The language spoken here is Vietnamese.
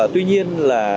tuy nhiên là